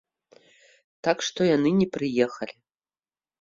Так што яны не прыехалі.